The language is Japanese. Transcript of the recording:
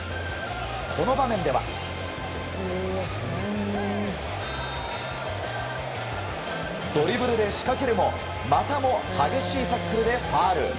この場面ではドリブルで仕掛けるもまたも激しいタックルでファウル。